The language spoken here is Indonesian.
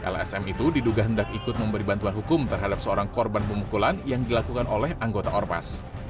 lsm itu diduga hendak ikut memberi bantuan hukum terhadap seorang korban pemukulan yang dilakukan oleh anggota ormas